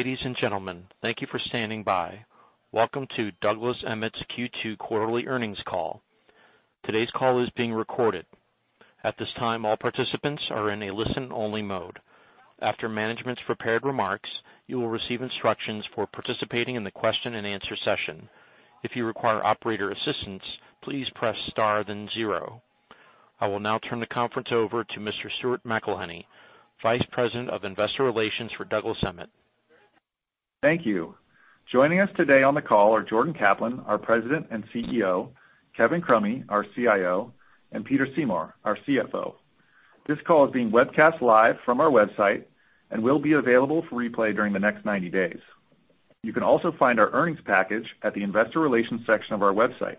Ladies and gentlemen, thank you for standing by. Welcome to Douglas Emmett's Q2 quarterly earnings call. Today's call is being recorded. At this time, all participants are in a listen-only mode. After management's prepared remarks, you will receive instructions for participating in the question and answer session. If you require operator assistance, please press star then zero. I will now turn the conference over to Mr. Stuart McElhinney, Vice President of Investor Relations for Douglas Emmett. Thank you. Joining us today on the call are Jordan Kaplan, our President and CEO, Kevin Crummy, our CIO, and Peter Seymour, our CFO. This call is being webcast live from our website and will be available for replay during the next 90 days. You can also find our earnings package at the investor relations section of our website.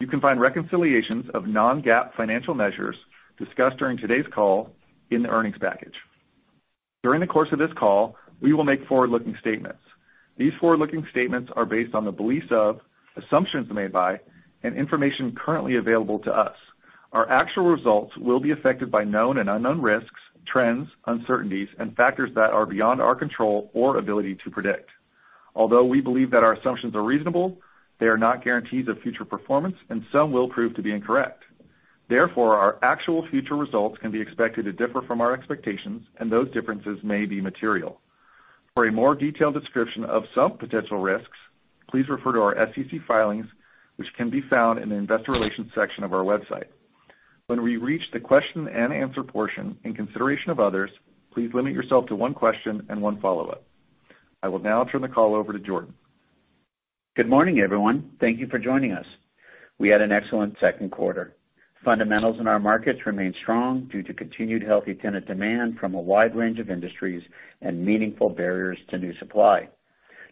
You can find reconciliations of non-GAAP financial measures discussed during today's call in the earnings package. During the course of this call, we will make forward-looking statements. These forward-looking statements are based on the beliefs of, assumptions made by, and information currently available to us. Our actual results will be affected by known and unknown risks, trends, uncertainties, and factors that are beyond our control or ability to predict. Although we believe that our assumptions are reasonable, they are not guarantees of future performance and some will prove to be incorrect. Therefore, our actual future results can be expected to differ from our expectations, and those differences may be material. For a more detailed description of some potential risks, please refer to our SEC filings, which can be found in the investor relations section of our website. When we reach the question and answer portion, in consideration of others, please limit yourself to one question and one follow-up. I will now turn the call over to Jordan. Good morning, everyone. Thank you for joining us. We had an excellent second quarter. Fundamentals in our markets remain strong due to continued healthy tenant demand from a wide range of industries and meaningful barriers to new supply.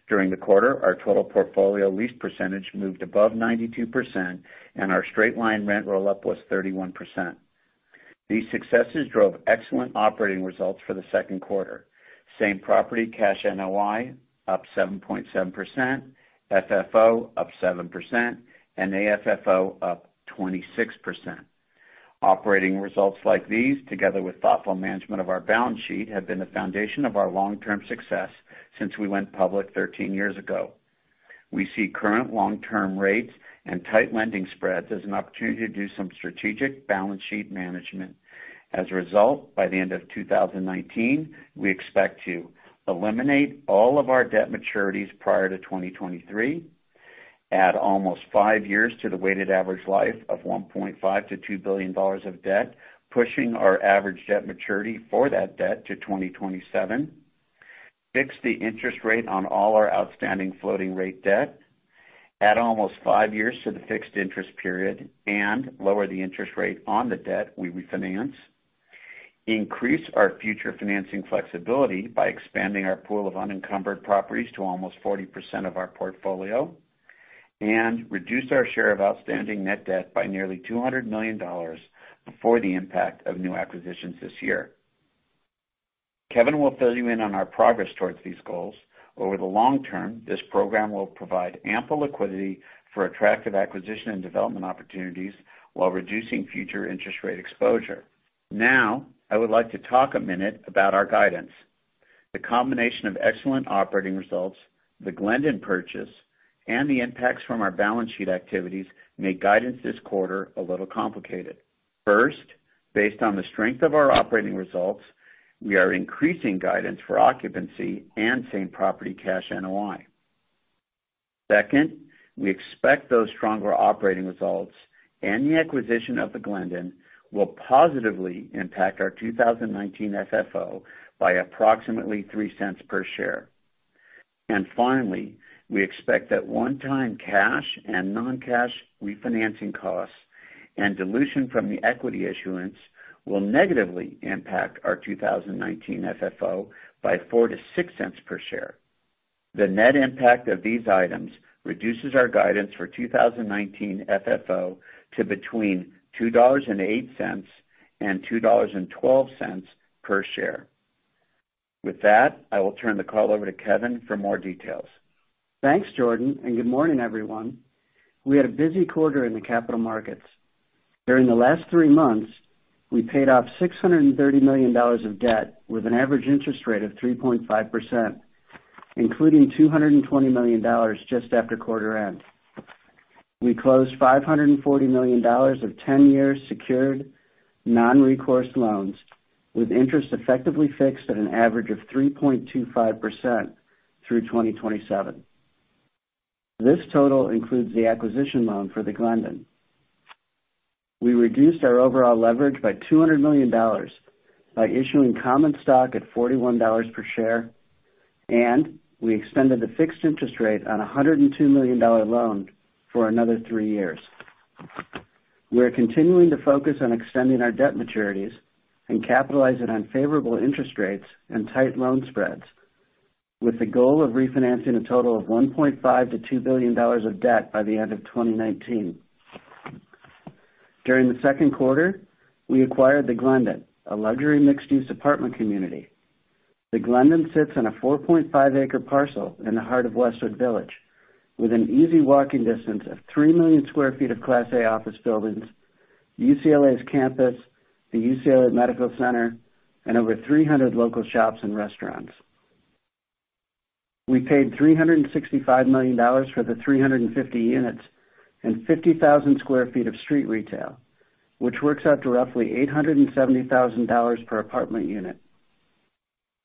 During the quarter, our total portfolio lease percentage moved above 92%, and our straight-line rent roll-up was 31%. These successes drove excellent operating results for the second quarter. Same property cash NOI up 7.7%, FFO up 7%, and AFFO up 26%. Operating results like these, together with thoughtful management of our balance sheet, have been the foundation of our long-term success since we went public 13 years ago. We see current long-term rates and tight lending spreads as an opportunity to do some strategic balance sheet management. As a result, by the end of 2019, we expect to eliminate all of our debt maturities prior to 2023, add almost 5 years to the weighted average life of $1.5 billion-$2 billion of debt, pushing our average debt maturity for that debt to 2027, fix the interest rate on all our outstanding floating rate debt, add almost 5 years to the fixed interest period and lower the interest rate on the debt we refinance, increase our future financing flexibility by expanding our pool of unencumbered properties to almost 40% of our portfolio, and reduce our share of outstanding net debt by nearly $200 million before the impact of new acquisitions this year. Kevin will fill you in on our progress towards these goals. Over the long term, this program will provide ample liquidity for attractive acquisition and development opportunities while reducing future interest rate exposure. I would like to talk a minute about our guidance. The combination of excellent operating results, The Glendon purchase, and the impacts from our balance sheet activities make guidance this quarter a little complicated. First, based on the strength of our operating results, we are increasing guidance for occupancy and same property cash NOI. Second, we expect those stronger operating results and the acquisition of The Glendon will positively impact our 2019 FFO by approximately $0.03 per share. Finally, we expect that one-time cash and non-cash refinancing costs and dilution from the equity issuance will negatively impact our 2019 FFO by $0.04 to $0.06 per share. The net impact of these items reduces our guidance for 2019 FFO to between $2.08 and $2.12 per share. With that, I will turn the call over to Kevin for more details. Thanks, Jordan. Good morning, everyone. We had a busy quarter in the capital markets. During the last three months, we paid off $630 million of debt with an average interest rate of 3.5%, including $220 million just after quarter end. We closed $540 million of 10-year secured non-recourse loans with interest effectively fixed at an average of 3.25% through 2027. This total includes the acquisition loan for The Glendon. We reduced our overall leverage by $200 million by issuing common stock at $41 per share, and we extended the fixed interest rate on a $102 million loan for another three years. We are continuing to focus on extending our debt maturities and capitalizing on favorable interest rates and tight loan spreads with the goal of refinancing a total of $1.5 billion-$2 billion of debt by the end of 2019. During the second quarter, we acquired The Glendon, a luxury mixed-use apartment community. The Glendon sits on a 4.5 acre parcel in the heart of Westwood Village, with an easy walking distance of 3 million sq ft of Class A office buildings, UCLA's campus, the UCLA Medical Center, and over 300 local shops and restaurants. We paid $365 million for the 350 units and 50,000 sq ft of street retail, which works out to roughly $870,000 per apartment unit.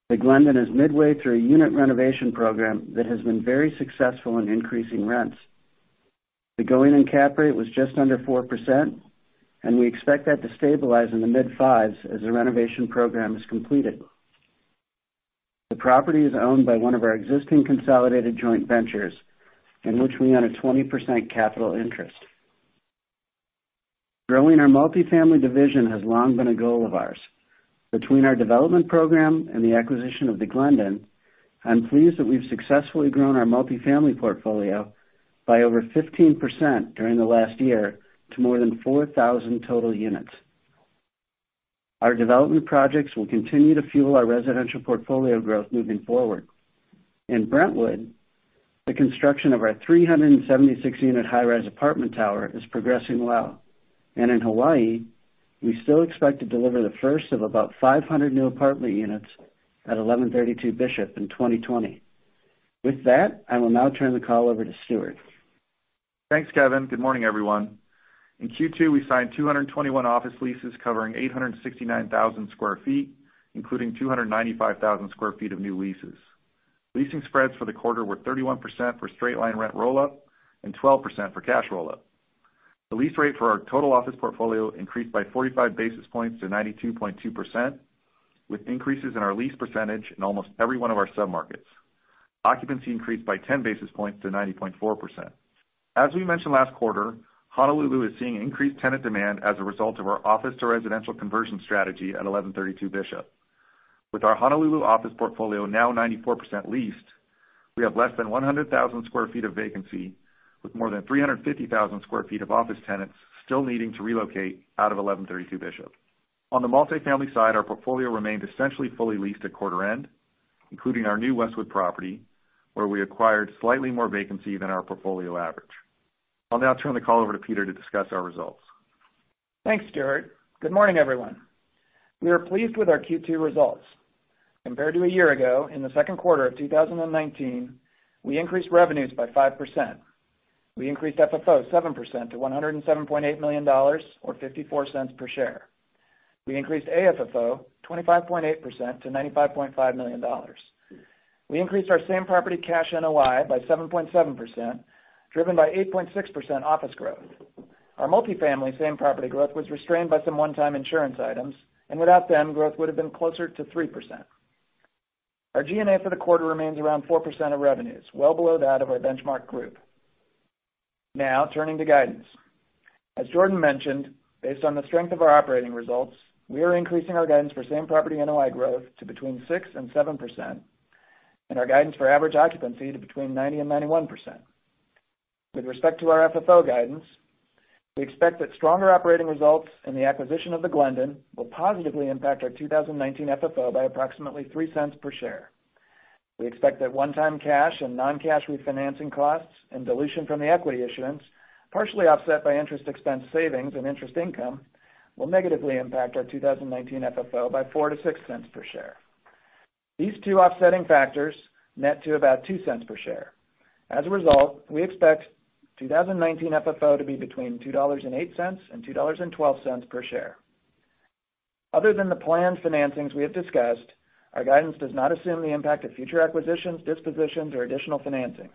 The Glendon is midway through a unit renovation program that has been very successful in increasing rents. The going-in cap rate was just under 4%, and we expect that to stabilize in the mid-5s as the renovation program is completed. The property is owned by one of our existing consolidated joint ventures in which we own a 20% capital interest. Growing our multifamily division has long been a goal of ours. Between our development program and the acquisition of The Glendon, I'm pleased that we've successfully grown our multifamily portfolio by over 15% during the last year to more than 4,000 total units. Our development projects will continue to fuel our residential portfolio growth moving forward. In Brentwood, the construction of our 376-unit high-rise apartment tower is progressing well. In Hawaii, we still expect to deliver the first of about 500 new apartment units at 1132 Bishop in 2020. With that, I will now turn the call over to Stuart. Thanks, Kevin. Good morning, everyone. In Q2, we signed 221 office leases covering 869,000 square feet, including 295,000 square feet of new leases. Leasing spreads for the quarter were 31% for straight-line rent roll-up and 12% for cash roll-up. The lease rate for our total office portfolio increased by 45 basis points to 92.2%, with increases in our lease percentage in almost every one of our sub-markets. Occupancy increased by 10 basis points to 90.4%. As we mentioned last quarter, Honolulu is seeing increased tenant demand as a result of our office-to-residential conversion strategy at 1132 Bishop. With our Honolulu office portfolio now 94% leased, we have less than 100,000 square feet of vacancy, with more than 350,000 square feet of office tenants still needing to relocate out of 1132 Bishop. On the multifamily side, our portfolio remained essentially fully leased at quarter-end, including our new Westwood property, where we acquired slightly more vacancy than our portfolio average. I'll now turn the call over to Peter to discuss our results. Thanks, Stuart. Good morning, everyone. We are pleased with our Q2 results. Compared to a year ago, in the second quarter of 2019, we increased revenues by 5%. We increased FFO 7% to $107.8 million, or $0.54 per share. We increased AFFO 25.8% to $95.5 million. We increased our same-property cash NOI by 7.7%, driven by 8.6% office growth. Our multifamily same-property growth was restrained by some one-time insurance items, and without them, growth would have been closer to 3%. Our G&A for the quarter remains around 4% of revenues, well below that of our benchmark group. Now, turning to guidance. As Jordan mentioned, based on the strength of our operating results, we are increasing our guidance for same-property NOI growth to between 6% and 7%, and our guidance for average occupancy to between 90% and 91%. With respect to our FFO guidance, we expect that stronger operating results and the acquisition of The Glendon will positively impact our 2019 FFO by approximately $0.03 per share. We expect that one-time cash and non-cash refinancing costs and dilution from the equity issuance, partially offset by interest expense savings and interest income, will negatively impact our 2019 FFO by $0.04-$0.06 per share. These two offsetting factors net to about $0.02 per share. As a result, we expect 2019 FFO to be between $2.08-$2.12 per share. Other than the planned financings we have discussed, our guidance does not assume the impact of future acquisitions, dispositions, or additional financings.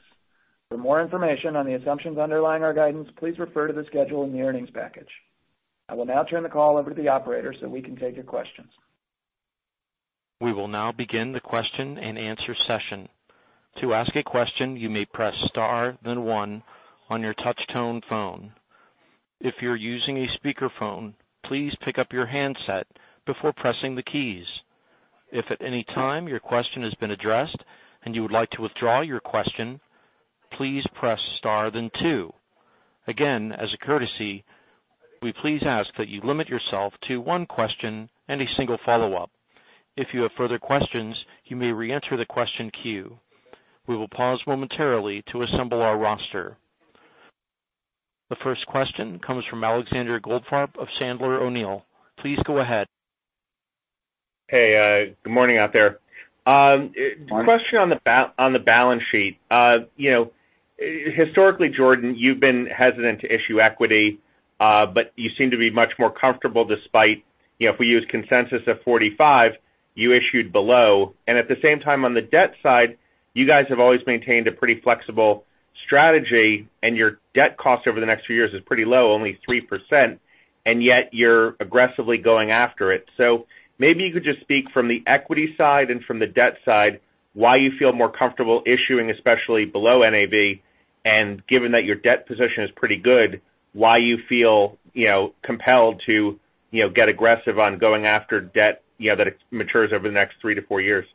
For more information on the assumptions underlying our guidance, please refer to the schedule in the earnings package. I will now turn the call over to the operator so we can take your questions. We will now begin the question and answer session. To ask a question, you may press star then one on your touch tone phone. If you're using a speakerphone, please pick up your handset before pressing the keys. If at any time your question has been addressed and you would like to withdraw your question, please press star then two. Again, as a courtesy, we please ask that you limit yourself to one question and a single follow-up. If you have further questions, you may reenter the question queue. We will pause momentarily to assemble our roster. The first question comes from Alexander Goldfarb of Sandler O'Neill. Please go ahead. Hey, good morning out there. Good morning. Question on the balance sheet. Historically, Jordan, you've been hesitant to issue equity, but you seem to be much more comfortable despite if we use consensus of $45, you issued below. At the same time on the debt side, you guys have always maintained a pretty flexible strategy and your debt cost over the next few years is pretty low, only 3%, and yet you're aggressively going after it. Maybe you could just speak from the equity side and from the debt side, why you feel more comfortable issuing, especially below NAV, and given that your debt position is pretty good, why you feel compelled to get aggressive on going after debt that matures over the next three to four years.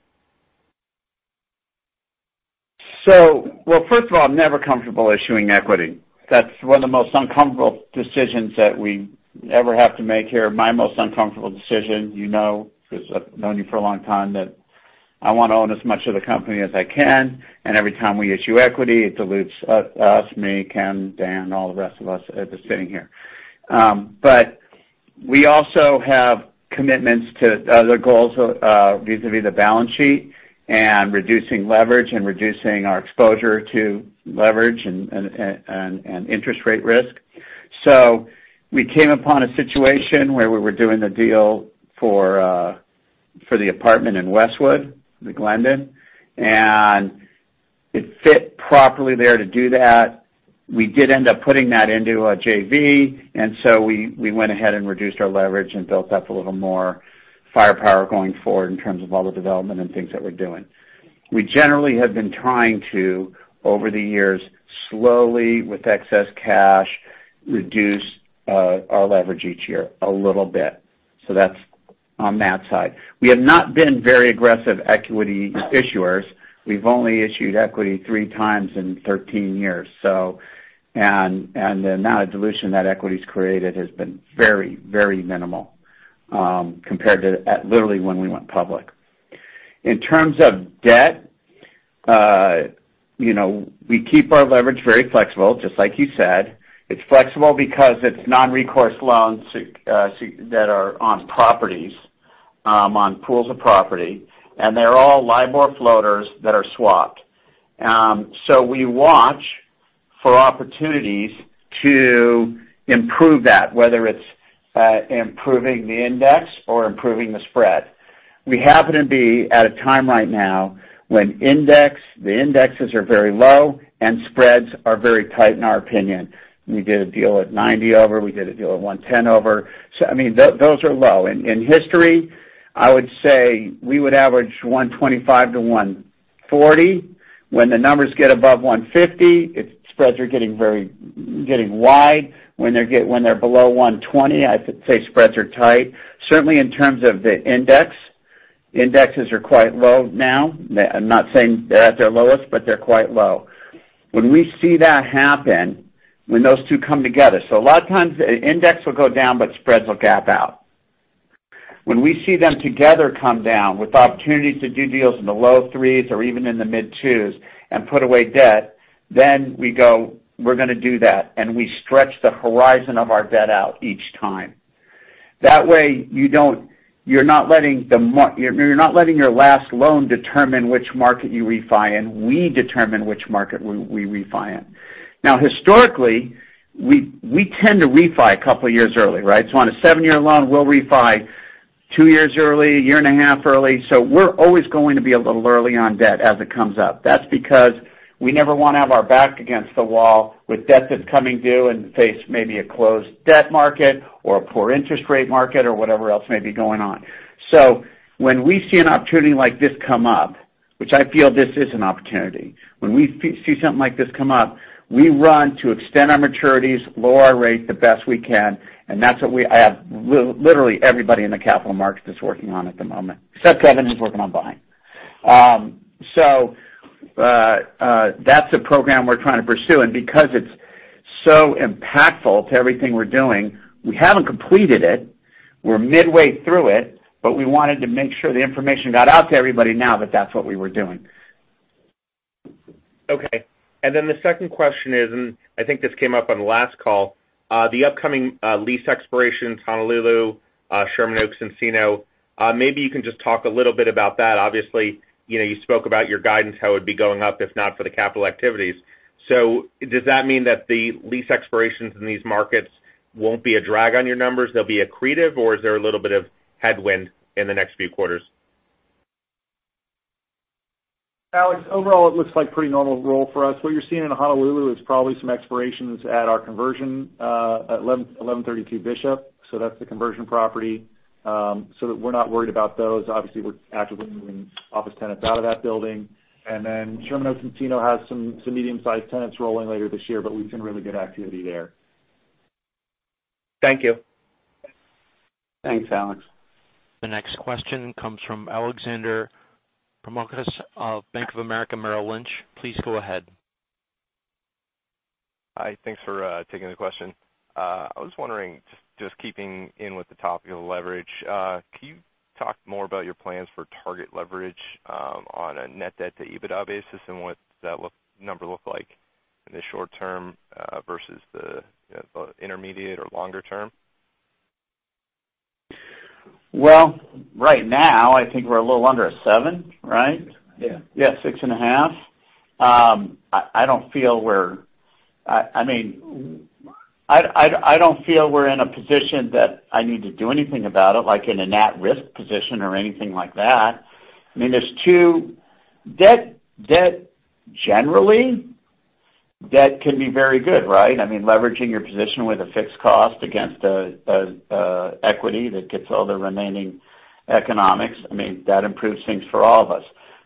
Well, first of all, I'm never comfortable issuing equity. That's one of the most uncomfortable decisions that we ever have to make here. My most uncomfortable decision, you know because I've known you for a long time, that. I want to own as much of the company as I can, and every time we issue equity, it dilutes us, me, Ken, Dan, all the rest of us that's sitting here. We also have commitments to other goals vis-à-vis the balance sheet and reducing leverage and reducing our exposure to leverage and interest rate risk. We came upon a situation where we were doing the deal for the apartment in Westwood, The Glendon, and it fit properly there to do that. We did end up putting that into a JV, and so we went ahead and reduced our leverage and built up a little more firepower going forward in terms of all the development and things that we're doing. We generally have been trying to, over the years, slowly, with excess cash, reduce our leverage each year a little bit. That's on that side. We have not been very aggressive equity issuers. We've only issued equity three times in 13 years. The amount of dilution that equity's created has been very minimal, compared to literally when we went public. In terms of debt, we keep our leverage very flexible, just like you said. It's flexible because it's non-recourse loans that are on properties, on pools of property, and they're all LIBOR floaters that are swapped. We watch for opportunities to improve that, whether it's improving the index or improving the spread. We happen to be at a time right now when the indexes are very low and spreads are very tight in our opinion. We did a deal at 90 over. We did a deal at 110 over. Those are low. In history, I would say we would average 125 to 140. When the numbers get above 150, spreads are getting wide. When they're below 120, I'd say spreads are tight. Certainly, in terms of the index, indexes are quite low now. I'm not saying they're at their lowest, but they're quite low. When we see that happen, when those two come together. A lot of times, index will go down, but spreads will gap out. When we see them together come down with opportunities to do deals in the low threes or even in the mid twos and put away debt, then we go, we're going to do that, and we stretch the horizon of our debt out each time. That way, you're not letting your last loan determine which market you refi in. We determine which market we refi in. Historically, we tend to refi a couple of years early, right? On a seven-year loan, we'll refi two years early, a year and a half early. We're always going to be a little early on debt as it comes up. That's because we never want to have our back against the wall with debt that's coming due and face maybe a closed debt market or a poor interest rate market or whatever else may be going on. When we see an opportunity like this come up, which I feel this is an opportunity. When we see something like this come up, we run to extend our maturities, lower our rate the best we can, and that's what I have literally everybody in the capital markets is working on at the moment, except Kevin, who's working on buying. That's a program we're trying to pursue, and because it's so impactful to everything we're doing, we haven't completed it. We're midway through it, but we wanted to make sure the information got out to everybody now that that's what we were doing. Okay. The second question is, I think this came up on the last call, the upcoming lease expiration in Honolulu, Sherman Oaks, Encino. Maybe you can just talk a little bit about that. Obviously, you spoke about your guidance, how it'd be going up if not for the capital activities. Does that mean that the lease expirations in these markets won't be a drag on your numbers? They'll be accretive, or is there a little bit of headwind in the next few quarters? Alex, overall, it looks like pretty normal roll for us. What you're seeing in Honolulu is probably some expirations at our conversion at 1132 Bishop. That we're not worried about those. Obviously, we're actively moving office tenants out of that building. Sherman Oaks, Encino, has some medium-sized tenants rolling later this year, but we've seen really good activity there. Thank you. Thanks, Alex. The next question comes from Alexander Goldfarb of Bank of America Merrill Lynch. Please go ahead. Hi, thanks for taking the question. I was wondering, just keeping in with the topic of leverage, can you talk more about your plans for target leverage on a net debt to EBITDA basis and what that number look like in the short term versus the intermediate or longer term? Well, right now, I think we're a little under a seven, right? Yeah. Yeah, six and a half. I don't feel we're in a position that I need to do anything about it, like in a net risk position or anything like that. There's debt, generally, debt can be very good, right? Leveraging your position with a fixed cost against equity that gets all the remaining economics, that improves things for all of us.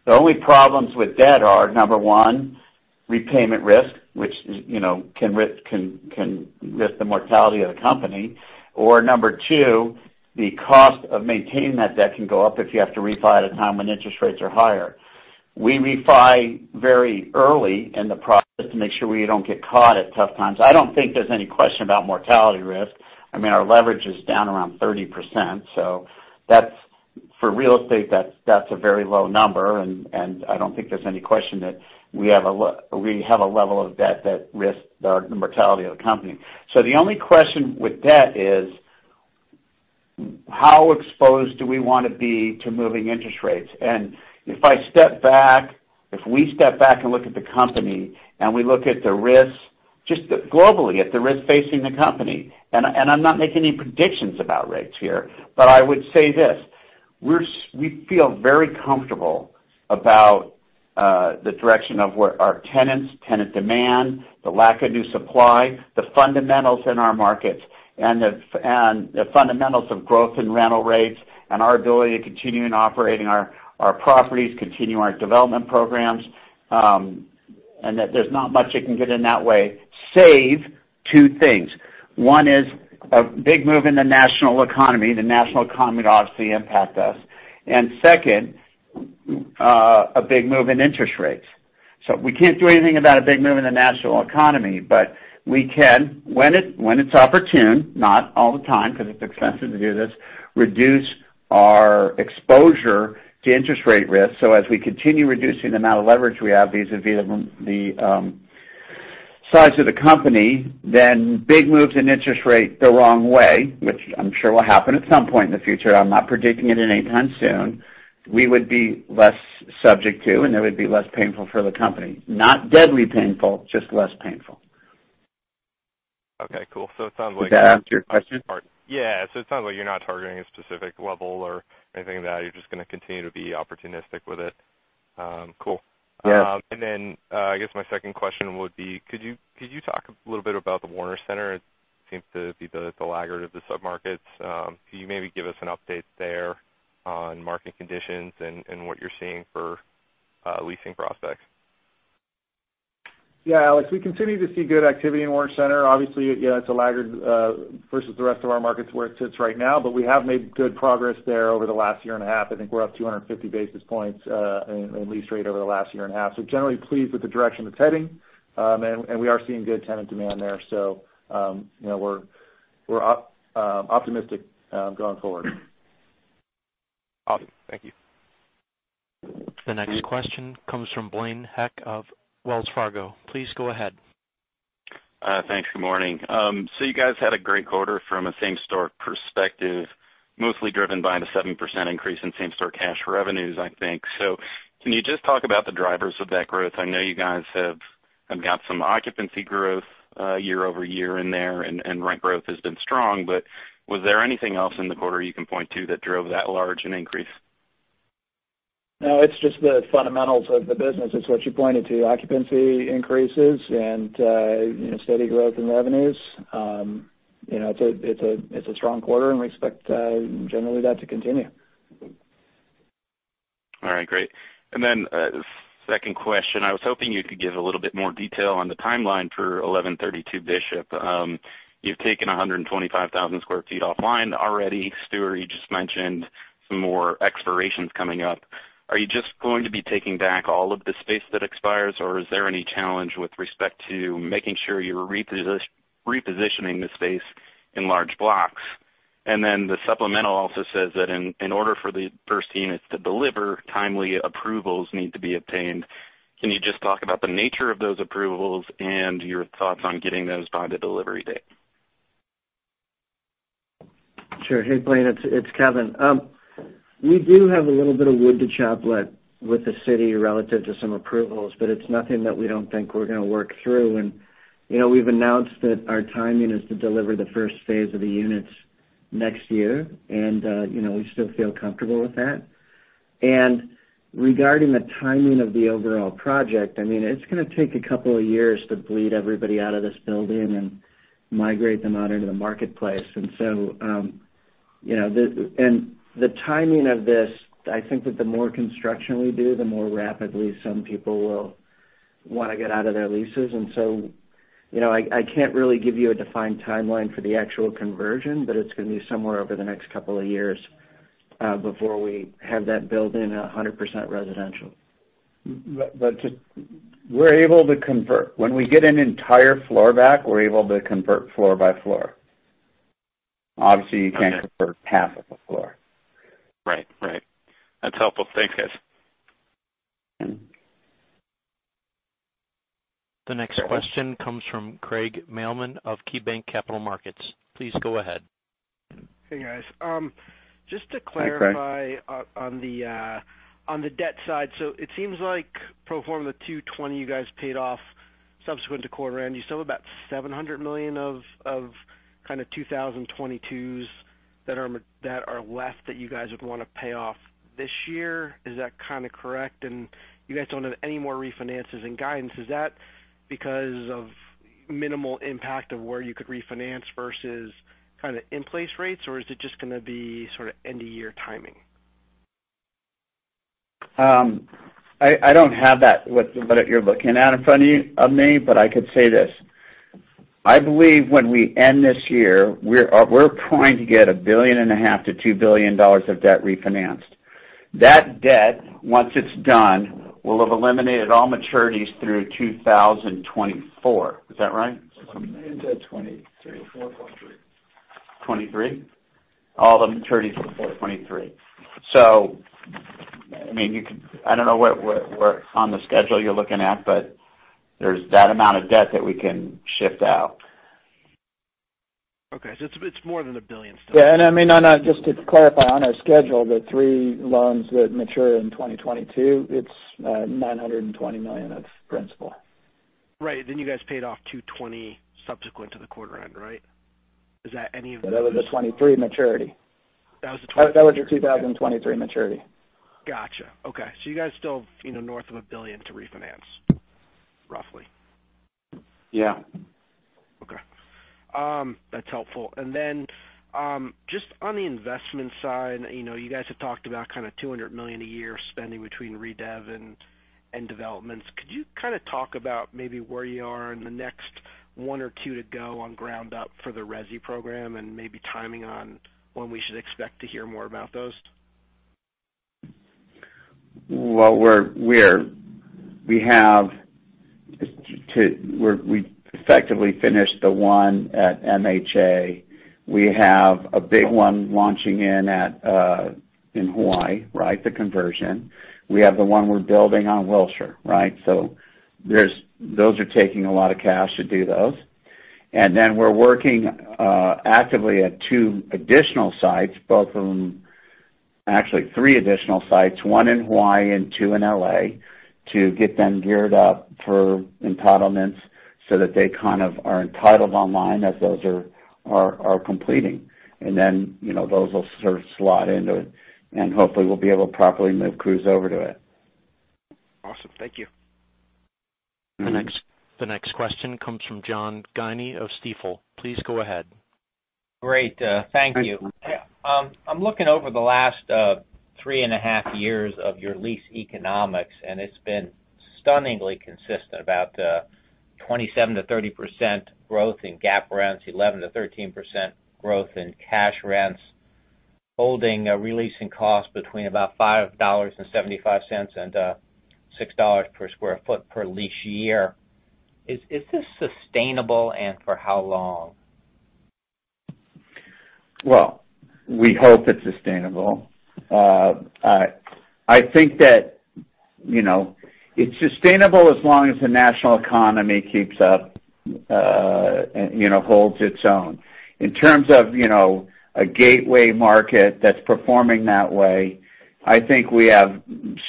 The only problems with debt are, number 1, repayment risk, which can risk the mortality of the company, or number 2, the cost of maintaining that debt can go up if you have to refi at a time when interest rates are higher. We refi very early in the process to make sure we don't get caught at tough times. I don't think there's any question about mortality risk. I mean, our leverage is down around 30%. For real estate, that's a very low number. I don't think there's any question that we have a level of debt that risks the mortality of the company. The only question with debt is how exposed do we want to be to moving interest rates? If I step back, if we step back and look at the company, and we look at the risks, just globally, at the risk facing the company, and I'm not making any predictions about rates here, but I would say this: we feel very comfortable about the direction of where our tenants, tenant demand, the lack of new supply, the fundamentals in our markets, and the fundamentals of growth in rental rates and our ability to continue operating our properties, continue our development programs, and that there's not much that can get in that way, save two things. One is a big move in the national economy. The national economy would obviously impact us. Second, a big move in interest rates. We can't do anything about a big move in the national economy. We can, when it's opportune, not all the time, because it's expensive to do this, reduce our exposure to interest rate risk. As we continue reducing the amount of leverage we have vis-a-vis the size of the company, then big moves in interest rate the wrong way, which I'm sure will happen at some point in the future, I'm not predicting it anytime soon, we would be less subject to, and it would be less painful for the company. Not deadly painful, just less painful. Okay, cool. It sounds like. Did that answer your question? Yeah. It sounds like you're not targeting a specific level or anything of that. You're just going to continue to be opportunistic with it. Cool. Yes. I guess my second question would be, could you talk a little bit about the Warner Center? It seems to be the laggard of the submarkets. Can you maybe give us an update there on market conditions and what you're seeing for leasing prospects? Alex, we continue to see good activity in Warner Center. Obviously, it's a laggard versus the rest of our markets where it sits right now. We have made good progress there over the last year and a half. I think we're up 250 basis points in lease rate over the last year and a half. Generally pleased with the direction it's heading. We are seeing good tenant demand there. We're optimistic going forward. Awesome. Thank you. The next question comes from Blaine Heck of Wells Fargo. Please go ahead. Thanks. Good morning. You guys had a great quarter from a same-store perspective, mostly driven by the 7% increase in same-store cash revenues, I think. Can you just talk about the drivers of that growth? I know you guys have got some occupancy growth year-over-year in there, and rent growth has been strong, but was there anything else in the quarter you can point to that drove that large an increase? No, it's just the fundamentals of the business. It's what you pointed to, occupancy increases and steady growth in revenues. It's a strong quarter, and we expect generally that to continue. All right, great. Second question. I was hoping you could give a little bit more detail on the timeline for 1132 Bishop. You've taken 125,000 square feet offline already. Stuart, you just mentioned some more expirations coming up. Are you just going to be taking back all of the space that expires, or is there any challenge with respect to making sure you're repositioning the space in large blocks? The supplemental also says that in order for the first units to deliver, timely approvals need to be obtained. Can you just talk about the nature of those approvals and your thoughts on getting those by the delivery date? Sure. Hey, Blaine, it's Kevin. We do have a little bit of wood to chop with the city relative to some approvals, but it's nothing that we don't think we're going to work through. We've announced that our timing is to deliver the first phase of the units next year, and we still feel comfortable with that. Regarding the timing of the overall project, I mean, it's going to take a couple of years to bleed everybody out of this building and migrate them out into the marketplace. The timing of this, I think that the more construction we do, the more rapidly some people will want to get out of their leases. So, I can't really give you a defined timeline for the actual conversion, but it's going to be somewhere over the next couple of years, before we have that building 100% residential. We're able to convert. When we get an entire floor back, we're able to convert floor by floor. Obviously, you can't convert half of a floor. Right. That's helpful. Thanks, guys. The next question comes from Craig Mailman of KeyBanc Capital Markets. Please go ahead. Hey, guys. Hey, Craig. Just to clarify on the debt side, it seems like pro forma $220, you guys paid off subsequent to quarter end, you still have about $700 million of kind of 2022s that are left that you guys would want to pay off this year. Is that kind of correct? You guys don't have any more refinances in guidance. Is that because of minimal impact of where you could refinance versus kind of in-place rates, or is it just going to be sort of end-of-year timing? I don't have that, what you're looking at in front of me, but I could say this. I believe when we end this year, we're trying to get a billion and a half to $2 billion of debt refinanced. That debt, once it's done, will have eliminated all maturities through 2024. Is that right? Into 2023, four quarters. 2023? All the maturities before 2023. I don't know what on the schedule you're looking at, but there's that amount of debt that we can shift out. Okay. It's more than $1 billion still. Yeah. Just to clarify, on our schedule, the three loans that mature in 2022, it's $920 million of principal. Right. You guys paid off $220 subsequent to the quarter end, right? Is that any of- That was the 2023 maturity. That was the 2023. That was the 2023 maturity. Got you. Okay. You guys still north of $1 billion to refinance, roughly? Yeah. Okay. That's helpful. Just on the investment side, you guys have talked about kind of $200 million a year spending between redev and developments. Could you kind of talk about maybe where you are in the next one or two to go on ground up for the resi program and maybe timing on when we should expect to hear more about those? Well, we effectively finished the one at MHA. We have a big one launching in Hawaii, right? The conversion. We have the one we're building on Wilshire, right? Those are taking a lot of cash to do those. We're working actively at two additional sites, both of them Actually, three additional sites, one in Hawaii and two in L.A., to get them geared up for entitlements so that they kind of are entitled online as those are completing. Those will sort of slot into, and hopefully we'll be able to properly move crews over to it. Awesome. Thank you. The next question comes from John Guinee of Stifel. Please go ahead. Great. Thank you. I'm looking over the last three and a half years of your lease economics, and it's been stunningly consistent, about 27%-30% growth in GAAP rents, 11%-13% growth in cash rents, holding a releasing cost between about $5.75 and $6 per square foot per lease year. Is this sustainable, and for how long? Well, we hope it's sustainable. I think that it's sustainable as long as the national economy keeps up, holds its own. In terms of a gateway market that's performing that way, I think we have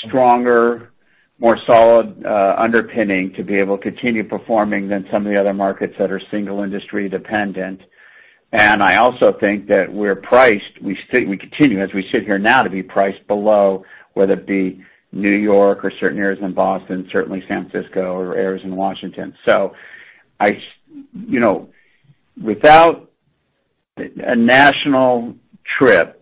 stronger, more solid underpinning to be able to continue performing than some of the other markets that are single industry dependent. I also think that we continue, as we sit here now, to be priced below, whether it be New York or certain areas in Boston, certainly San Francisco or areas in Washington. Without a national trip,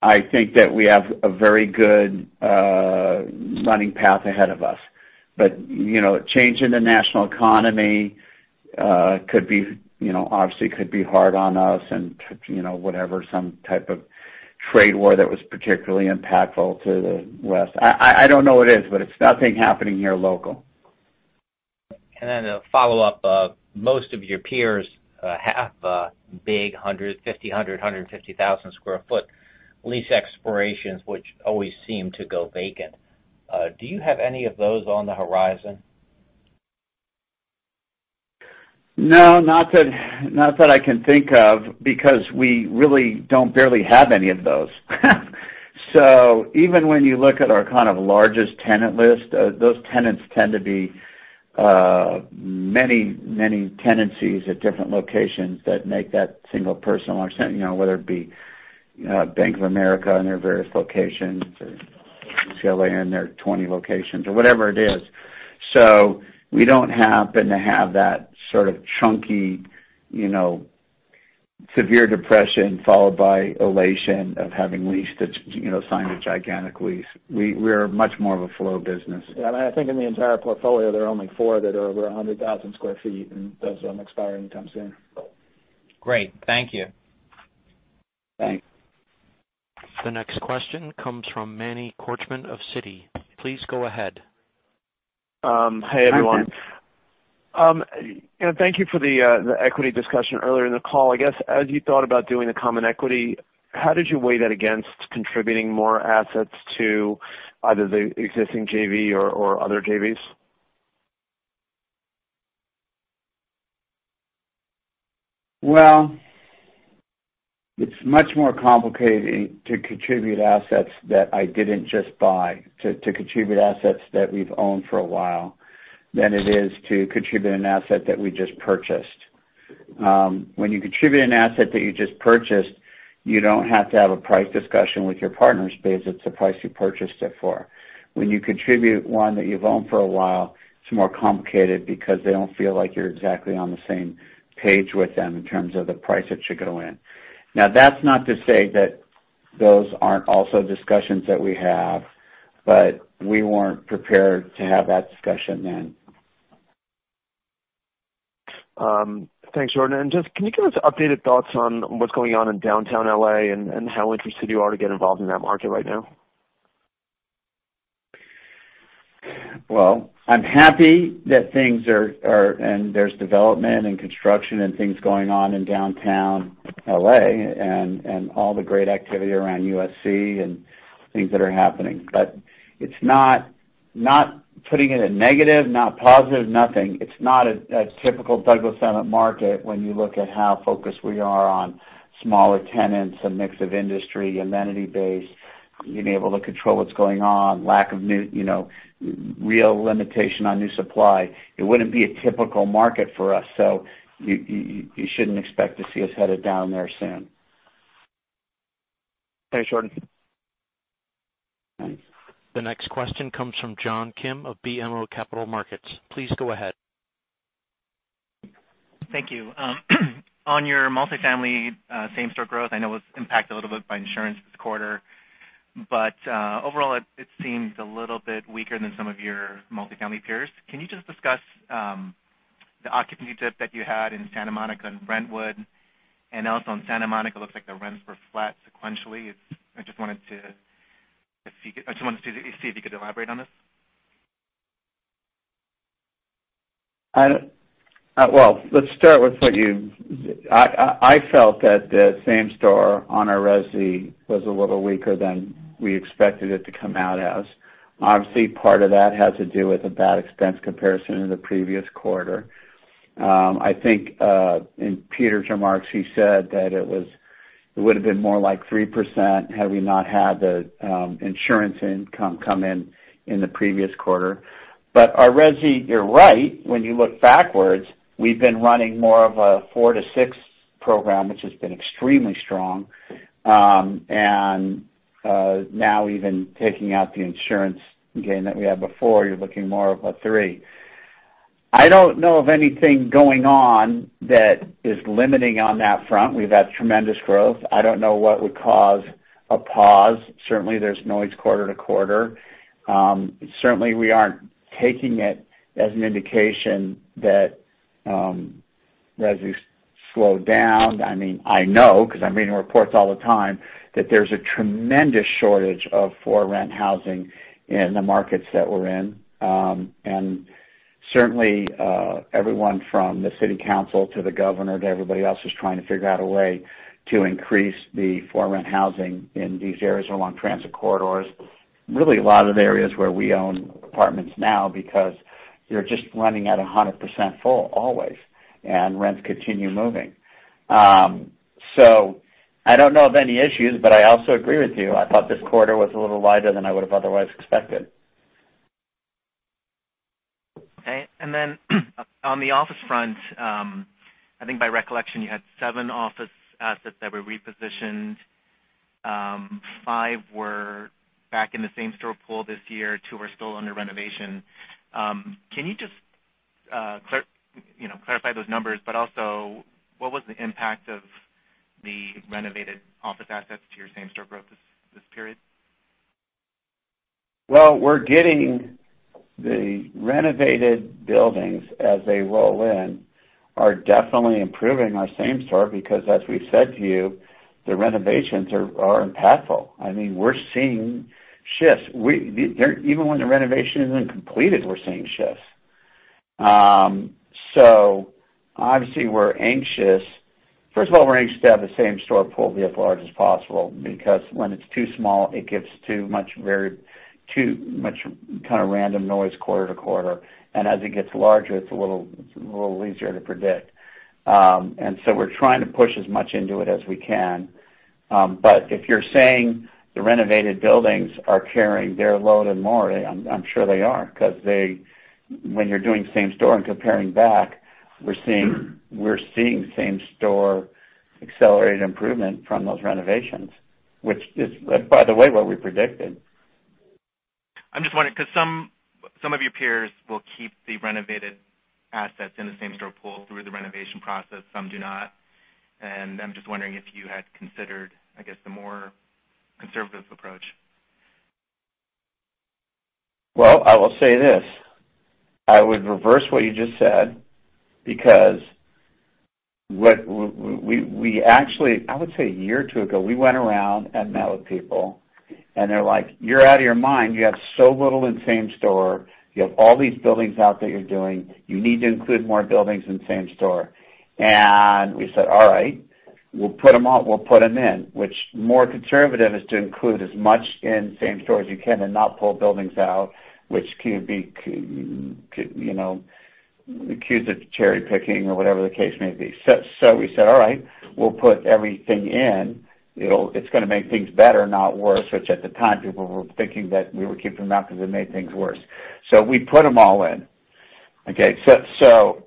I think that we have a very good running path ahead of us. A change in the national economy obviously could be hard on us and whatever, some type of trade war that was particularly impactful to the West. I don't know what it is, but it's nothing happening here local. A follow-up, most of your peers have big 50,000, 100,000, 150,000 sq ft lease expirations, which always seem to go vacant. Do you have any of those on the horizon? No, not that I can think of, because we really don't barely have any of those. Even when you look at our kind of largest tenant list, those tenants tend to be many tenancies at different locations that make that single person or something, whether it be Bank of America and their various locations, or CLA and their 20 locations, or whatever it is. We don't happen to have that sort of chunky, severe depression followed by elation of having signed a gigantic lease. We are much more of a flow business. Yeah, I think in the entire portfolio, there are only four that are over 100,000 sq ft, and those don't expire anytime soon. Great. Thank you. Thanks. The next question comes from Manny Korchman of Citi. Please go ahead. Hey, everyone. Thank you for the equity discussion earlier in the call. I guess, as you thought about doing the common equity, how did you weigh that against contributing more assets to either the existing JV or other JVs? Well, it's much more complicated to contribute assets that I didn't just buy, to contribute assets that we've owned for a while, than it is to contribute an asset that we just purchased. When you contribute an asset that you just purchased, you don't have to have a price discussion with your partners because it's the price you purchased it for. When you contribute one that you've owned for a while, it's more complicated because they don't feel like you're exactly on the same page with them in terms of the price it should go in. Now, that's not to say Those aren't also discussions that we have. We weren't prepared to have that discussion then. Thanks, Jordan. Just, can you give us updated thoughts on what's going on in downtown L.A., and how interested you are to get involved in that market right now? Well, I'm happy that there's development and construction and things going on in downtown L.A., and all the great activity around USC and things that are happening. Not putting it in negative, not positive, nothing. It's not a typical Douglas Emmett market when you look at how focused we are on smaller tenants, a mix of industry, amenity base, being able to control what's going on, lack of new, real limitation on new supply. You shouldn't expect to see us headed down there soon. Thanks, Jordan. The next question comes from John Kim of BMO Capital Markets. Please go ahead. Thank you. On your multifamily same-store growth, I know it was impacted a little bit by insurance this quarter, but, overall, it seems a little bit weaker than some of your multifamily peers. Can you just discuss the occupancy dip that you had in Santa Monica and Brentwood? Also on Santa Monica, looks like the rents were flat sequentially. I just wanted to see if you could elaborate on this. Well, I felt that the same store on our resi was a little weaker than we expected it to come out as. Obviously, part of that has to do with a bad expense comparison in the previous quarter. I think, in Peter's remarks, he said that it would've been more like 3% had we not had the insurance income come in in the previous quarter. Our resi, you're right. When you look backwards, we've been running more of a four to six program, which has been extremely strong. Now even taking out the insurance gain that we had before, you're looking more of a 3. I don't know of anything going on that is limiting on that front. We've had tremendous growth. I don't know what would cause a pause. Certainly, there's noise quarter to quarter. Certainly, we aren't taking it as an indication that resi's slowed down. I know, because I'm reading reports all the time, that there's a tremendous shortage of for-rent housing in the markets that we're in. Certainly, everyone from the city council to the governor to everybody else is trying to figure out a way to increase the for-rent housing in these areas along transit corridors. Really, a lot of the areas where we own apartments now, because you're just running at 100% full always, and rents continue moving. I don't know of any issues, but I also agree with you. I thought this quarter was a little lighter than I would've otherwise expected. Okay. On the office front, I think by recollection, you had seven office assets that were repositioned. Five were back in the same-store pool this year, two are still under renovation. Can you just clarify those numbers, but also, what was the impact of the renovated office assets to your same-store growth this period? Well, we're getting the renovated buildings as they roll in, are definitely improving our same store because, as we've said to you, the renovations are impactful. We're seeing shifts. Even when the renovation isn't completed, we're seeing shifts. Obviously, we're anxious. First of all, we're anxious to have the same-store pool be as large as possible, because when it's too small, it gives too much kind of random noise quarter to quarter. As it gets larger, it's a little easier to predict. We're trying to push as much into it as we can. If you're saying the renovated buildings are carrying their load and more, I'm sure they are. Because when you're doing same store and comparing back, we're seeing same-store accelerated improvement from those renovations. Which is, by the way, what we predicted. I'm just wondering because some of your peers will keep the renovated assets in the same-store pool through the renovation process, some do not. I'm just wondering if you had considered, I guess, the more conservative approach. Well, I will say this. I would reverse what you just said, because we actually, I would say a year or two ago, we went around and met with people, and they're like, "You're out of your mind. You have so little in same store. You have all these buildings out that you're doing. You need to include more buildings in same store." We said, "All right, we'll put them in." Which more conservative is to include as much in same store as you can and not pull buildings out, which could be accused of cherry-picking or whatever the case may be. We said, "All right, we'll put everything in. It's going to make things better, not worse." Which at the time, people were thinking that we were keeping them out because it made things worse. We put them all in. Okay?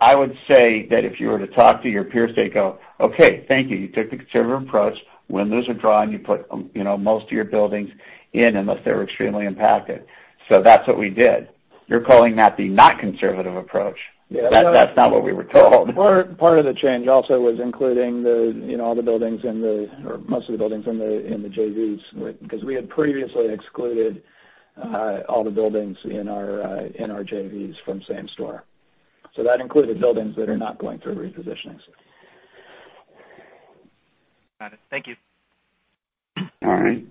I would say that if you were to talk to your peers, they'd go, "Okay, thank you. You took the conservative approach. When those are drawn, you put most of your buildings in, unless they were extremely impacted." That's what we did. You're calling that the not conservative approach? Yeah. That's not what we were told. Part of the change also was including most of the buildings in the JVs, because we had previously excluded all the buildings in our JVs from same store. That included buildings that are not going through repositioning. Got it. Thank you. All right.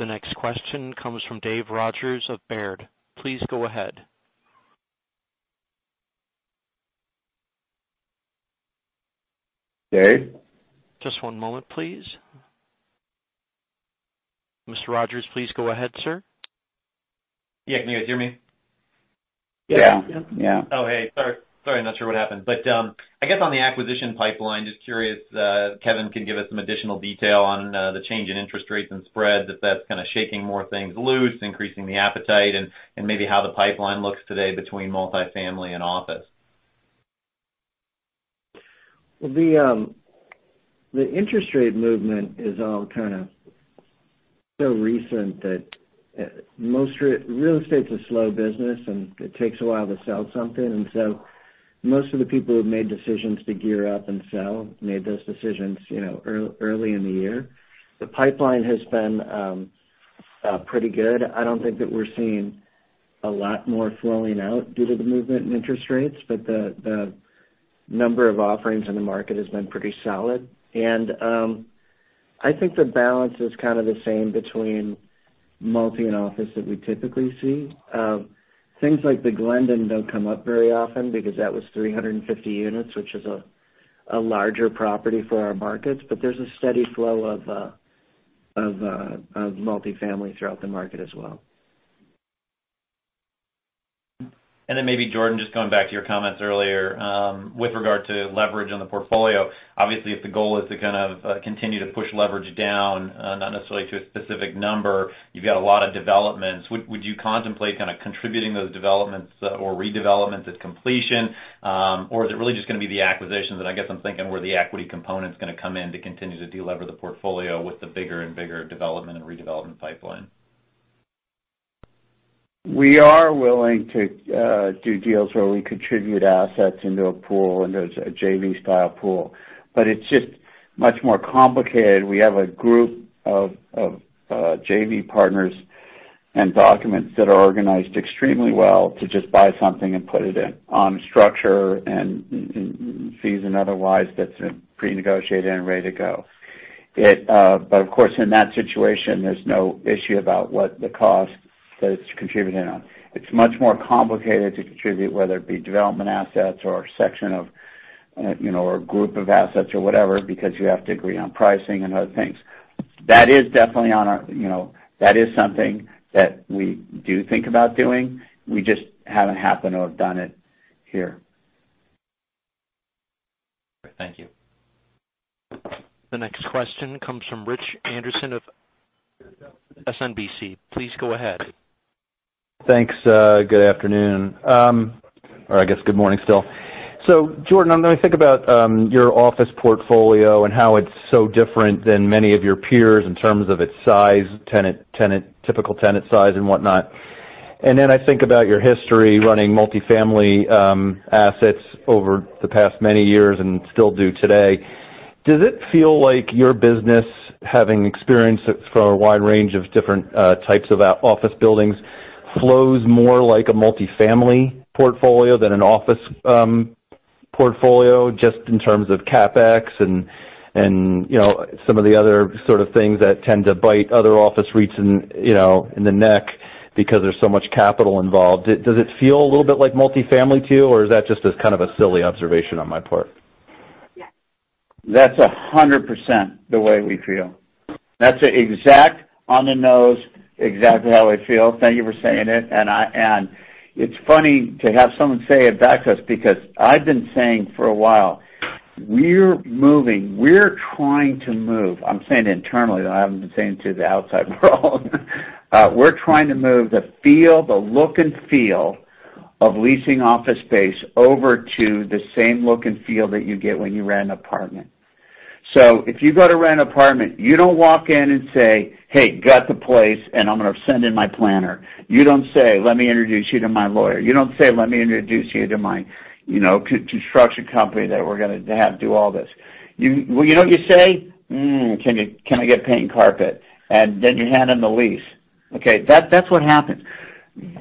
The next question comes from Dave Rodgers of Baird. Please go ahead. Dave? Just one moment, please. Mr. Rodgers, please go ahead, sir. Yeah, can you guys hear me? Yeah. Yeah. Oh, hey. Sorry, not sure what happened. I guess on the acquisition pipeline, just curious if Kevin can give us some additional detail on the change in interest rates and spreads, if that's kind of shaking more things loose, increasing the appetite, and maybe how the pipeline looks today between multi-family and office? Well, the interest rate movement is all kind of so recent that Real estate's a slow business, and it takes a while to sell something. Most of the people who have made decisions to gear up and sell made those decisions early in the year. The pipeline has been pretty good. I don't think that we're seeing a lot more flowing out due to the movement in interest rates, but the number of offerings in the market has been pretty solid. I think the balance is kind of the same between multi and office that we typically see. Things like The Glendon don't come up very often because that was 350 units, which is a larger property for our markets, but there's a steady flow of multi-family throughout the market as well. Maybe Jordan, just going back to your comments earlier, with regard to leverage on the portfolio, obviously if the goal is to kind of continue to push leverage down, not necessarily to a specific number, you've got a lot of developments. Would you contemplate kind of contributing those developments or redevelopments at completion? Is it really just going to be the acquisitions, and I guess I'm thinking where the equity component's going to come in to continue to de-lever the portfolio with the bigger and bigger development and redevelopment pipeline? We are willing to do deals where we contribute assets into a pool, and there's a JV-style pool. It's just much more complicated. We have a group of JV partners and documents that are organized extremely well to just buy something and put it in on structure and fees and otherwise that's been pre-negotiated and ready to go. Of course, in that situation, there's no issue about what the cost that it's contributing on. It's much more complicated to contribute, whether it be development assets or a section of a group of assets or whatever, because you have to agree on pricing and other things. That is something that we do think about doing. We just haven't happened to have done it here. Thank you. The next question comes from Rich Anderson of SMBC. Please go ahead. Thanks. Good afternoon. Or I guess good morning still. Jordan, when I think about your office portfolio and how it's so different than many of your peers in terms of its size, typical tenant size and whatnot. Then I think about your history running multi-family assets over the past many years and still do today. Does it feel like your business, having experience for a wide range of different types of office buildings, flows more like a multi-family portfolio than an office portfolio, just in terms of CapEx and some of the other sort of things that tend to bite other office REITs in the neck because there's so much capital involved? Does it feel a little bit like multi-family to you, or is that just a kind of a silly observation on my part? That's 100% the way we feel. That's exact, on the nose, exactly how I feel. Thank you for saying it. It's funny to have someone say it back to us because I've been saying for a while, we're trying to move I'm saying internally, though, I haven't been saying to the outside world. We're trying to move the feel, the look and feel of leasing office space over to the same look and feel that you get when you rent an apartment. If you go to rent an apartment, you don't walk in and say, "Hey, got the place, and I'm gonna send in my planner." You don't say, "Let me introduce you to my lawyer." You don't say, "Let me introduce you to my construction company that we're gonna have do all this." You know what you say? Can I get paint and carpet?" You hand them the lease. Okay? That's what happens.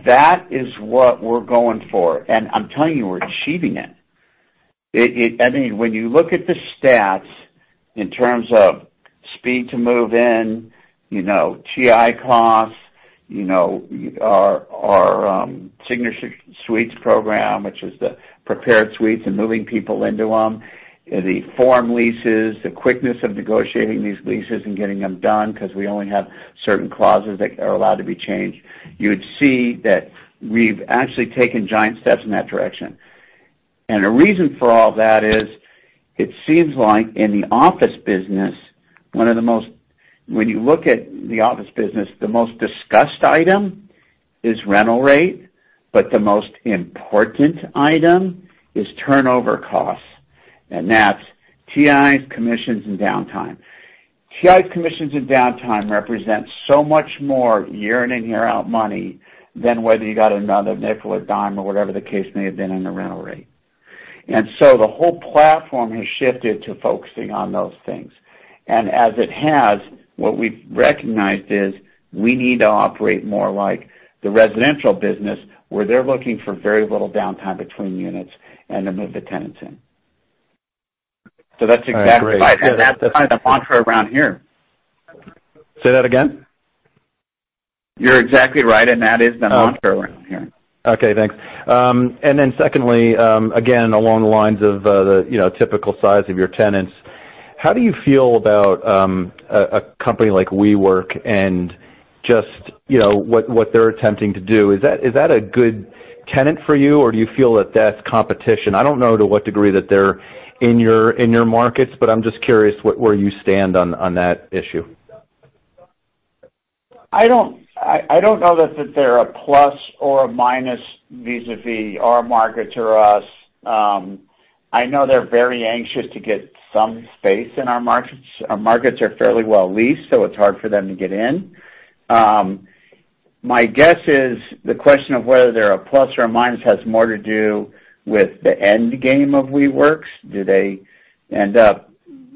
That is what we're going for, and I'm telling you, we're achieving it. When you look at the stats in terms of speed to move in, TI costs, our Signature Suites program, which is the prepared suites and moving people into them, the form leases, the quickness of negotiating these leases and getting them done because we only have certain clauses that are allowed to be changed. You would see that we've actually taken giant steps in that direction. A reason for all that is, it seems like in the office business, when you look at the office business, the most discussed item is rental rate, but the most important item is turnover costs, and that's TIs, commissions, and downtime. TI commissions and downtime represents so much more year in and year out money than whether you got another nickel or dime or whatever the case may have been in the rental rate. The whole platform has shifted to focusing on those things. As it has, what we've recognized is we need to operate more like the residential business, where they're looking for very little downtime between units and to move the tenants in. That's exactly right. All right, great. That's kind of the mantra around here. Say that again. You're exactly right, and that is the mantra around here. Okay, thanks. Secondly, again, along the lines of the typical size of your tenants, how do you feel about a company like WeWork and just what they're attempting to do? Is that a good tenant for you, or do you feel that that's competition? I don't know to what degree that they're in your markets, but I'm just curious where you stand on that issue. I don't know that they're a plus or a minus vis-a-vis our markets or us. I know they're very anxious to get some space in our markets. Our markets are fairly well leased, It's hard for them to get in. My guess is the question of whether they're a plus or a minus has more to do with the end game of WeWork. Do they end up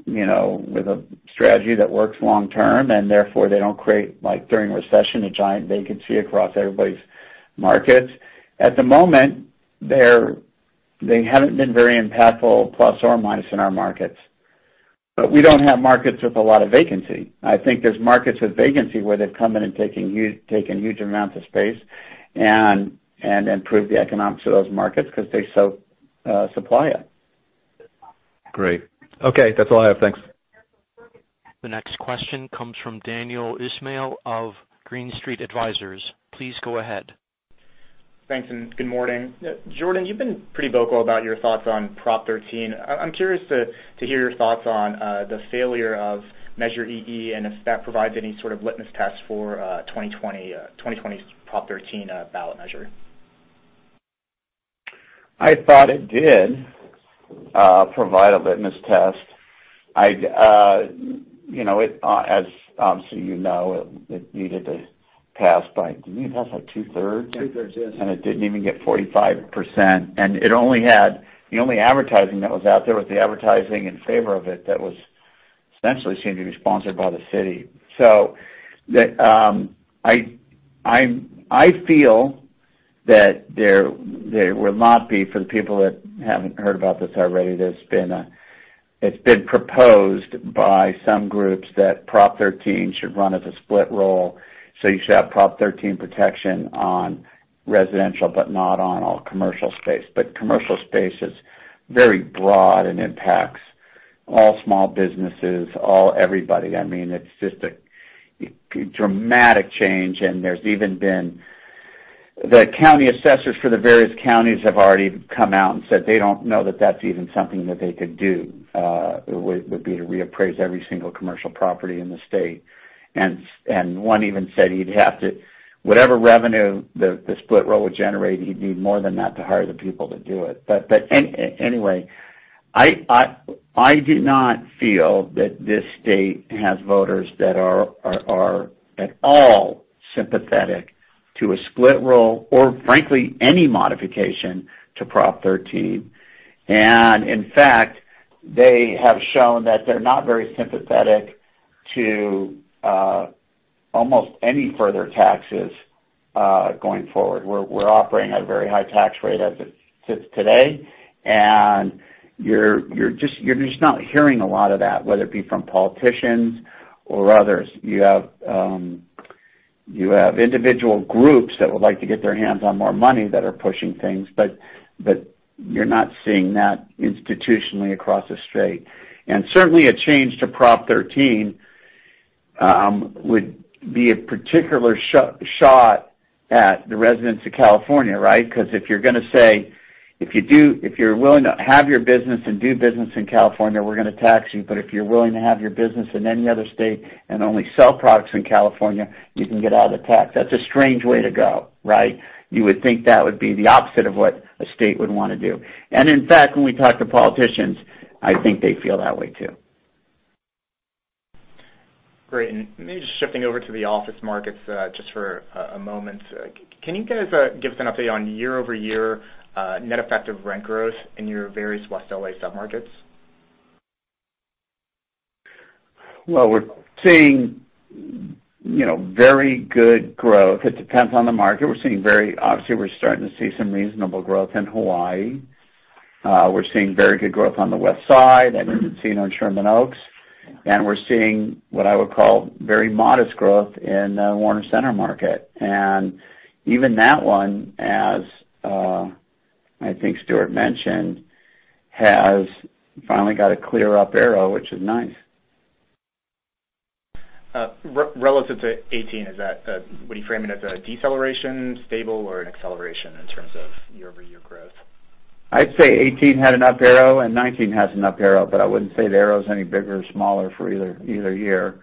with a strategy that works long term and therefore they don't create, like during recession, a giant vacancy across everybody's markets? At the moment, they haven't been very impactful, plus or minus, in our markets. We don't have markets with a lot of vacancy. I think there's markets with vacancy where they've come in and taken huge amounts of space and improved the economics of those markets because they soak supply up. Great. Okay, that's all I have. Thanks. The next question comes from Daniel Ismail of Green Street Advisors. Please go ahead. Thanks. Good morning. Jordan, you've been pretty vocal about your thoughts on Proposition 13. I'm curious to hear your thoughts on the failure of Measure EE and if that provides any sort of litmus test for 2020 Proposition 13 ballot measure. I thought it did provide a litmus test. Obviously you know, it needed to pass by, do you pass by two-thirds? Two-thirds, yes. It didn't even get 45%. The only advertising that was out there was the advertising in favor of it that was essentially seemed to be sponsored by the city. I feel that there will not be, for the people that haven't heard about this already, it's been proposed by some groups that Proposition 13 should run as a split roll. You should have Proposition 13 protection on residential, but not on all commercial space. Commercial space is very broad and impacts all small businesses, all everybody. It's just a dramatic change. The county assessors for the various counties have already come out and said they don't know that that's even something that they could do, would be to reappraise every single commercial property in the state. One even said whatever revenue the split roll would generate, he'd need more than that to hire the people to do it. Anyway, I do not feel that this state has voters that are at all sympathetic to a split roll or frankly, any modification to Proposition 13. In fact, they have shown that they're not very sympathetic to almost any further taxes going forward. We're operating at a very high tax rate as it sits today, and you're just not hearing a lot of that, whether it be from politicians or others. You have individual groups that would like to get their hands on more money that are pushing things, but you're not seeing that institutionally across the state. Certainly, a change to Proposition 13 would be a particular shot at the residents of California, right? Because if you're gonna say, "If you're willing to have your business and do business in California, we're gonna tax you. But if you're willing to have your business in any other state and only sell products in California, you can get out of the tax." That's a strange way to go, right? You would think that would be the opposite of what a state would want to do. In fact, when we talk to politicians, I think they feel that way, too. Great. Maybe just shifting over to the office markets just for a moment. Can you guys give us an update on year-over-year net effective rent growth in your various West L.A. submarkets? Well, we're seeing very good growth. It depends on the market. Obviously, we're starting to see some reasonable growth in Hawaii. We're seeing very good growth on the Westside and seeing on Sherman Oaks, and we're seeing what I would call very modest growth in Warner Center market. Even that one, as I think Stuart mentioned, has finally got a clear up arrow, which is nice. Relative to 2018, would you frame it as a deceleration, stable, or an acceleration in terms of year-over-year growth? I'd say 2018 had an up arrow and 2019 has an up arrow, but I wouldn't say the arrow is any bigger or smaller for either year.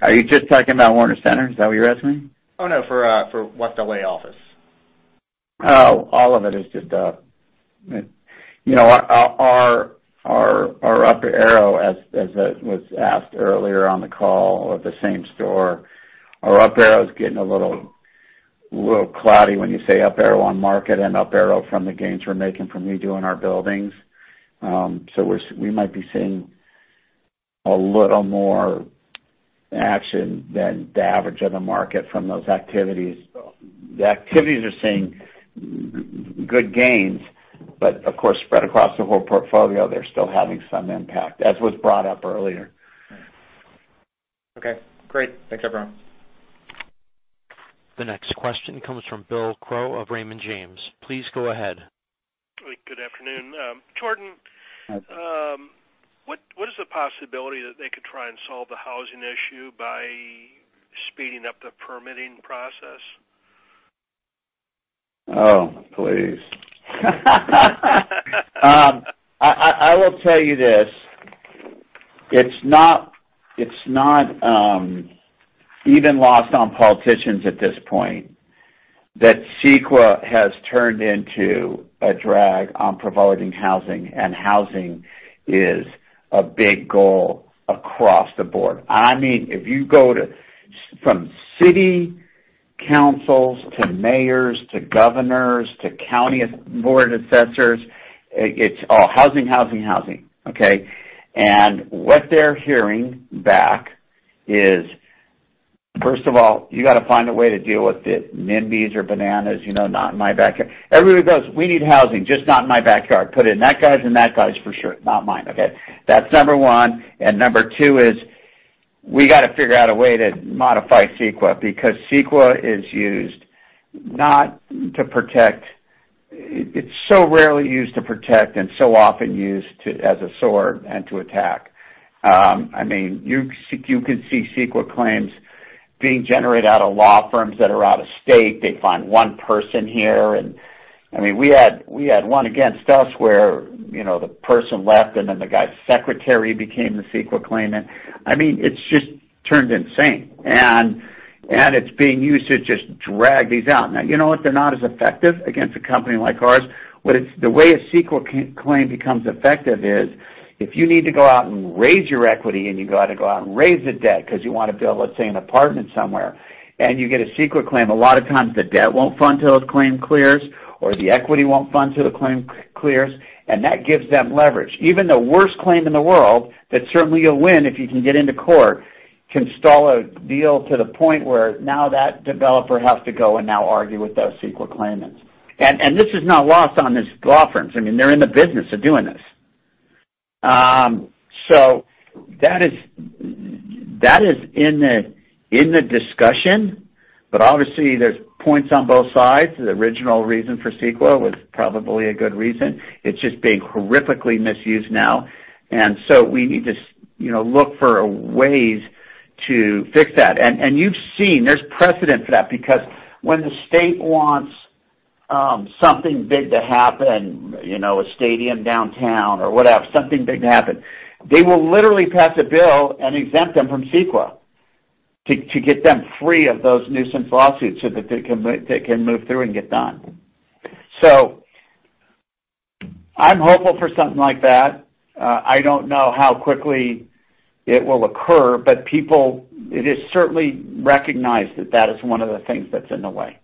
Are you just talking about Warner Center? Is that what you're asking? Oh, no, for West L.A. office. All of it is just our up arrow, as was asked earlier on the call, or the same store, our up arrow is getting a little cloudy when you say up arrow on market and up arrow from the gains we're making from redoing our buildings. We might be seeing a little more action than the average of the market from those activities. The activities are seeing good gains, but of course, spread across the whole portfolio, they're still having some impact, as was brought up earlier. Okay, great. Thanks, everyone. The next question comes from Bill Crow of Raymond James. Please go ahead. Good afternoon. Jordan. Hi, Bill. What is the possibility that they could try and solve the housing issue by speeding up the permitting process? Oh, please. I will tell you this, it's not even lost on politicians at this point that CEQA has turned into a drag on providing housing, and housing is a big goal across the board. If you go from city councils to mayors to governors to county board assessors, it's all housing, housing. Okay. What they're hearing back is, first of all, you got to find a way to deal with the NIMBYs or bananas, not in my backyard. Everybody goes, "We need housing, just not in my backyard. Put it in that guy's and that guy's for sure, not mine." Okay. That's number one. Number two is we got to figure out a way to modify CEQA, because CEQA is used not to protect, it's so rarely used to protect and so often used as a sword and to attack. You can see CEQA claims being generated out of law firms that are out of state. They find one person here. We had one against us where the person left and then the guy's secretary became the CEQA claimant. It's just turned insane, and it's being used to just drag these out. Now, you know what? They're not as effective against a company like ours. The way a CEQA claim becomes effective is if you need to go out and raise your equity, and you got to go out and raise the debt because you want to build, let's say, an apartment somewhere, and you get a CEQA claim, a lot of times the debt won't fund till its claim clears, or the equity won't fund till the claim clears, and that gives them leverage. Even the worst claim in the world that certainly you'll win if you can get into court, can stall a deal to the point where now that developer has to go and now argue with those CEQA claimants. This is not lost on these law firms. They're in the business of doing this. That is in the discussion, but obviously, there's points on both sides. The original reason for CEQA was probably a good reason. It's just being horrifically misused now. We need to look for ways to fix that. You've seen there's precedent for that, because when the state wants something big to happen, a stadium downtown or whatever, something big to happen, they will literally pass a bill and exempt them from CEQA to get them free of those nuisance lawsuits so that they can move through and get done. I'm hopeful for something like that. I don't know how quickly it will occur, but it is certainly recognized that that is one of the things that's in the way.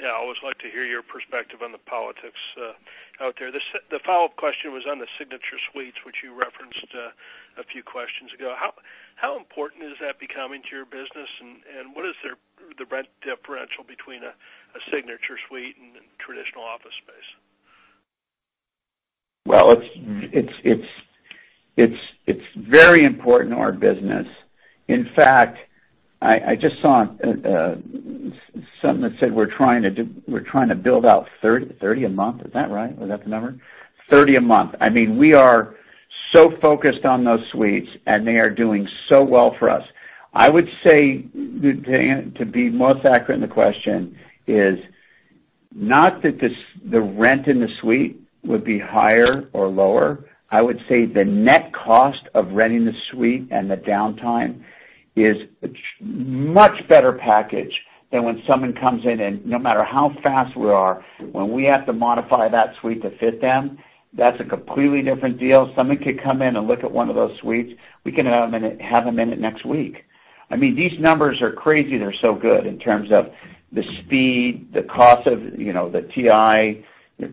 Yeah, I always like to hear your perspective on the politics out there. The follow-up question was on the Signature Suites, which you referenced a few questions ago. How important is that becoming to your business, and what is the rent differential between a Signature Suite and traditional office space? Well, it's very important to our business. I just saw something that said we're trying to build out 30 a month. Is that right? Was that the number? 30 a month. We are so focused on those suites, and they are doing so well for us. I would say, to be most accurate in the question, is not that the rent in the suite would be higher or lower. I would say the net cost of renting the suite and the downtime is a much better package than when someone comes in and, no matter how fast we are, when we have to modify that suite to fit them, that's a completely different deal. Someone could come in and look at one of those suites. We can have them in it next week. These numbers are crazy they're so good in terms of the speed, the cost of the TI.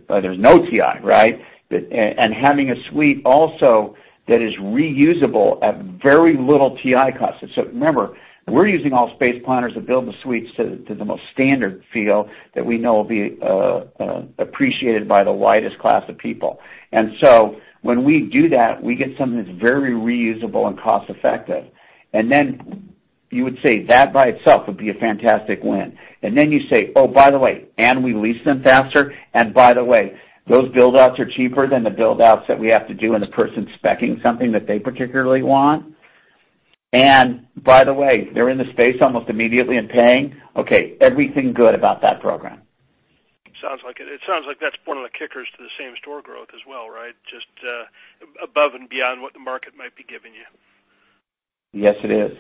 There's no TI, right? Having a suite also that is reusable at very little TI cost. Remember, we're using all space planners to build the suites to the most standard feel that we know will be appreciated by the widest class of people. When we do that, we get something that's very reusable and cost-effective. Then you would say that by itself would be a fantastic win. Then you say, "Oh, by the way, we lease them faster. By the way, those build-outs are cheaper than the build-outs that we have to do when the person's spec-ing something that they particularly want. By the way, they're in the space almost immediately and paying." Okay, everything good about that program. It sounds like that's one of the kickers to the same-store growth as well, right? Just above and beyond what the market might be giving you. Yes, it is.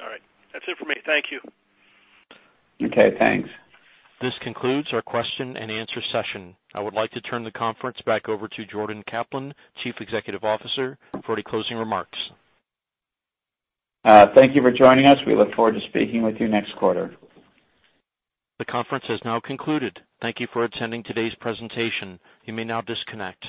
All right. That's it for me. Thank you. Okay, thanks. This concludes our question and answer session. I would like to turn the conference back over to Jordan Kaplan, Chief Executive Officer, for any closing remarks. Thank you for joining us. We look forward to speaking with you next quarter. The conference has now concluded. Thank you for attending today's presentation. You may now disconnect.